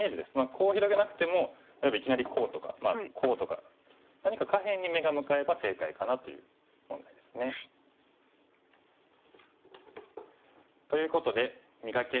こう広げなくても例えばいきなりこうとかこうとか何か下辺に目が向かえば正解かなという問題ですね。ということで「磨け！